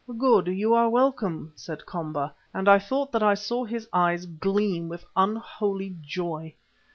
"Good, you are welcome," said Komba, and I thought that I saw his eyes gleam with unholy joy.